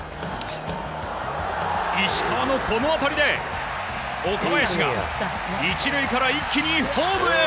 石川のこの当たりで岡林が１塁から一気にホームへ。